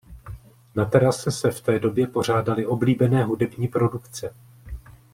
Na terase se v té době pořádaly oblíbené hudební produkce.